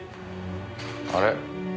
あれ？